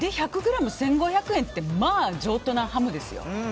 １００ｇ１５００円って上等なハムですよ。